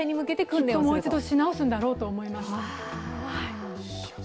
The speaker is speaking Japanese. きっともう一度し直すんだろうと思います。